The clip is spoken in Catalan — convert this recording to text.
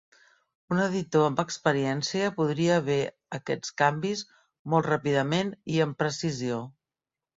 Un editor amb experiència podria ver aquests canvis molt ràpidament i amb precisió.